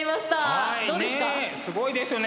すごいですよね。